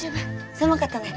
狭かったね。